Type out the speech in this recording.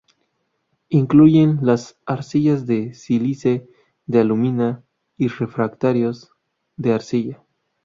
Incluyen las arcilla de sílice, de alúmina y refractarios de arcilla.